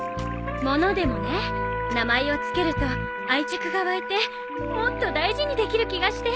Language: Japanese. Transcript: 物でもね名前を付けると愛着が湧いてもっと大事にできる気がして。